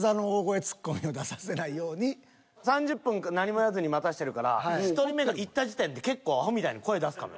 ３０分何も言わずに待たしてるから１人目が行った時点で結構アホみたいに声出すかもよ。